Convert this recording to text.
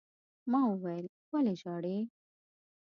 ما وويل: ولې ژاړې؟